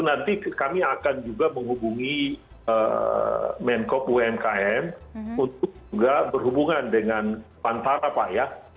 nanti kami akan juga menghubungi menkop umkm untuk juga berhubungan dengan pantara pak ya